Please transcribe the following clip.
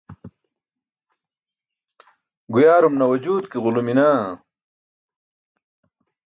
Guyaarum nawajut ke ġulumi naa?